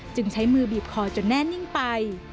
จึงใช้มือบีบคอจนแน่นิ่งไป